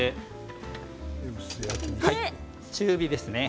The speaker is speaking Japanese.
中火ですね。